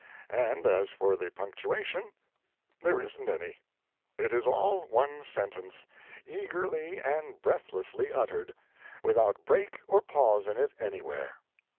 And as for the punctuation, there isn't any. It is all one sentence, eagerly and breathlessly uttered, without break or pause in it anywhere.